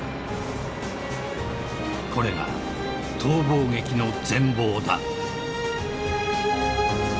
［これが逃亡劇の全貌だ］